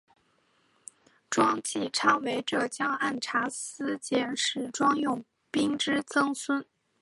庄际昌为浙江按察司佥事庄用宾之曾孙。